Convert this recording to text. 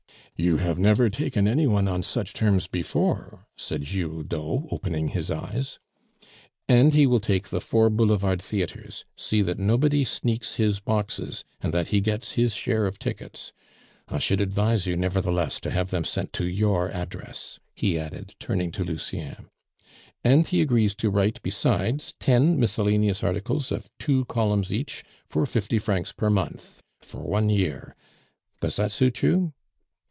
"You have never taken any one on such terms before," said Giroudeau, opening his eyes. "And he will take the four Boulevard theatres. See that nobody sneaks his boxes, and that he gets his share of tickets. I should advise you, nevertheless, to have them sent to your address," he added, turning to Lucien. "And he agrees to write besides ten miscellaneous articles of two columns each, for fifty francs per month, for one year. Does that suit you?"